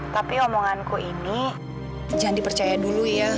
tapi omonganku ini jangan dipercaya dulu ya